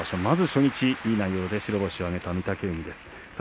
まず初日、いい内容で白星を挙げた御嶽海です。